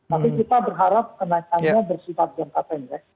tapi kita berharap kenaikannya bersifat jangka pendek